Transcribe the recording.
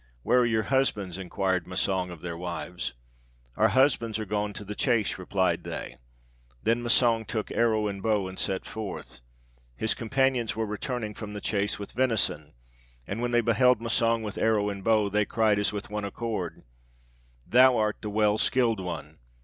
'Where are your husbands?' inquired Massang of their wives. 'Our husbands are gone to the chase,' replied they. Then Massang took arrow and bow, and set forth. His companions were returning from the chase with venison, and when they beheld Massang with arrow and bow, they cried, as with one accord, 'Thou art the well skilled one!